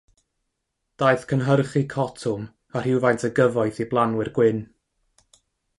Daeth cynhyrchu cotwm â rhywfaint o gyfoeth i blanwyr gwyn.